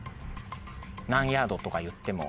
何ヤードとか言っても。